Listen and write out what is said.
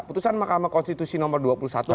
putusan mahkamah konstitusi nomor dua puluh satu tahun